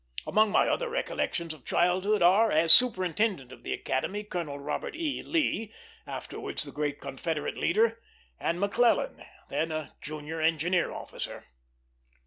Among my other recollections of childhood are, as superintendent of the Academy, Colonel Robert E. Lee, afterwards the great Confederate leader; and McClellan, then a junior engineer officer.